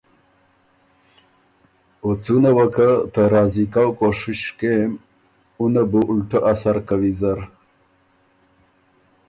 او څُونه وه که ته راضی کؤ کوشش کېم اُنه بُو اُلټۀ اثر کوی زر۔